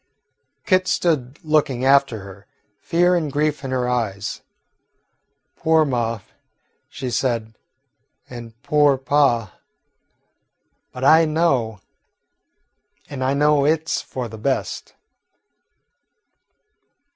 Kit stood looking after her, fear and grief in her eyes. "Poor ma," she said, "an' poor pa. But I know, an' I know it 's for the best."